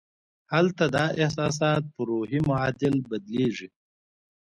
هلته دا احساسات پر روحي معادل بدلېږي